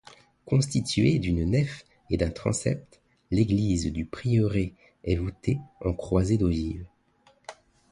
Constituée d'une nef et d'un transept, l'église du prieuré est voûtée en croisée d'ogives.